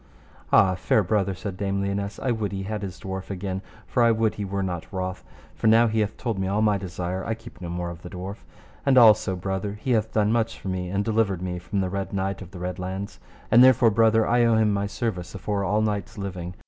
Ah! fair brother, said Dame Lionesse, I would he had his dwarf again, for I would he were not wroth, for now he hath told me all my desire I keep no more of the dwarf. And also, brother, he hath done much for me, and delivered me from the Red Knight of the Red Launds, and therefore, brother, I owe him my service afore all knights living.